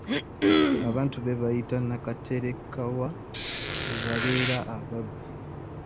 Abantu be bayita nakaterekawa be babeera ababbi.